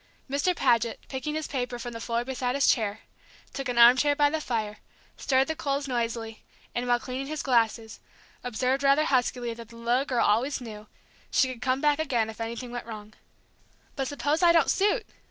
Mr. Paget, picking his paper from the floor beside his chair, took an arm chair by the fire, stirred the coals noisily, and while cleaning his glasses, observed rather huskily that the little girl always knew, she could come back again if anything went wrong. "But suppose I don't suit?"